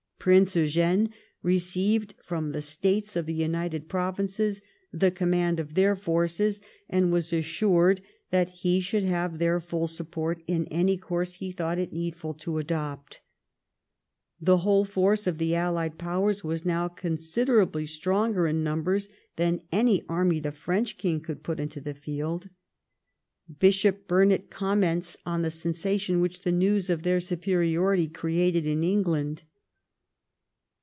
Prince Eugene received from the States of the United Provinces the command of their forces, and was p3 52 THE REIGN OF QUEEN ANNE. oh. xxiil. assured that he should have their full support in any course he thought it needful to adopt. The whole force of the Allied Powers was now considerably stronger in numbers than any army the French King could put into the field. Bishop Burnet com ments on the sensation which the news of their superiority created in England.